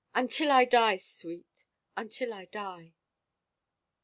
" Until I die, Sweet. ... Until I die."